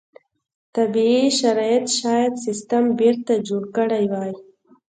طبیعي شرایط شاید سیستم بېرته جوړ کړی وای.